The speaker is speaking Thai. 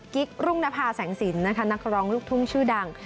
กิ๊กรุงนภาษาแสงสินนักร้องลูกทุ่งชื่อดัง